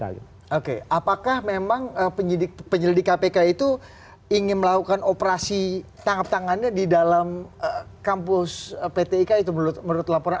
apakah memang penyelidik kpk itu ingin melakukan operasi tangkap tangannya di dalam kampus pt ika itu menurut laporan